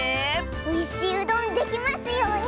おいしいうどんできますように！